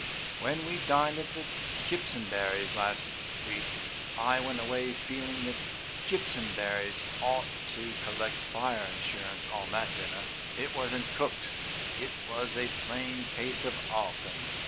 When we dined at Jimpsonberrys' last week I went away feeling that Jimpsonberry ought to collect fire insurance on that dinner. It wasn't cooked; it was a plain case of arson."